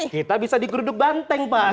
kita bisa digeruduk banteng pak